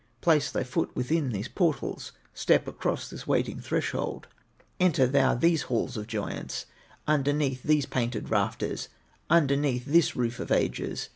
Place thy foot within these portals, Step across this waiting threshold, Enter thou these halls of joyance, Underneath these painted rafters, Underneath this roof of ages.